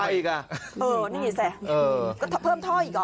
นี่แสดงก็เพิ่มทอล์อีกอ๋อ